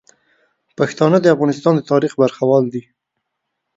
پښتانه د افغانستان د تاریخ برخوال دي.